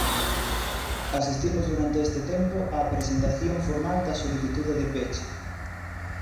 Asistimos durante este tempo á presentación formal da solicitude de peche.